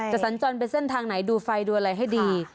สัญจรไปเส้นทางไหนดูไฟดูอะไรให้ดี